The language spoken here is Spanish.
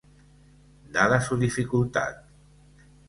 Dada su dificultad.